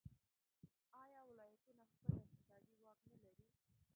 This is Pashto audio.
آیا ولایتونه خپل اقتصادي واک نلري؟